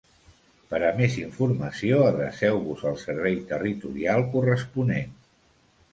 Per a més informació, adreceu-vos al Servei Territorial corresponent.